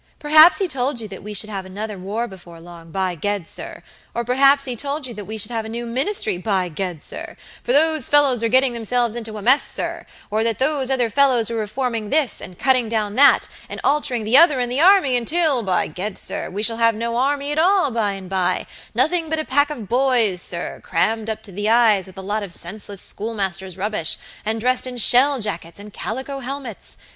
"Perhaps he told you that we should have another war before long, by Ged, sir; or perhaps he told you that we should have a new ministry, by Ged, sir, for that those fellows are getting themselves into a mess, sir; or that those other fellows were reforming this, and cutting down that, and altering the other in the army, until, by Ged, sir, we shall have no army at all, by and bynothing but a pack of boys, sir, crammed up to the eyes with a lot of senseless schoolmasters' rubbish, and dressed in shell jackets and calico helmets.